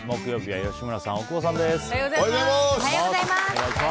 木曜日は吉村さん、大久保さんです。